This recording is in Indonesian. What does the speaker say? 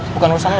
bukan urusan lo